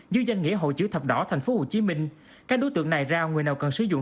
dư danh nghĩa hội chữ thập đỏ tp hcm các đối tượng này rao người nào cần sử dụng